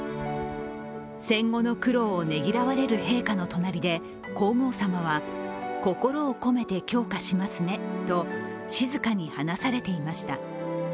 戦後の苦労をねぎらわれる陛下の隣で皇后さまは、心を込めて供花しますねと静かに話されていました。